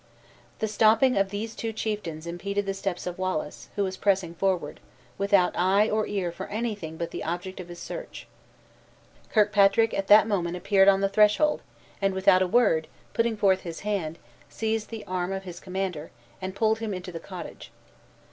The stopping of these two chieftains impeded the steps of Wallace, who was pressing forward, without eye or ear for anything but the object of his search. Kirkpatrick at that moment appeared on the threshold, and without a word, putting forth his hand, seized the arm of his commander, and pulled him into the cottage.